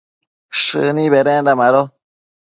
shëni bedenda mado